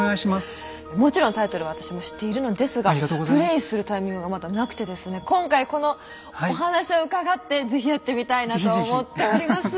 もちろんタイトルは私も知っているのですがプレイするタイミングがまだなくてですね今回このお話を伺って是非やってみたいなと思っております。